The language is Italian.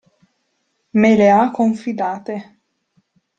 Me le ha confidate.